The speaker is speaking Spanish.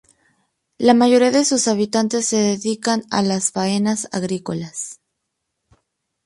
La mayoría de sus habitantes se dedican a las faenas agrícolas.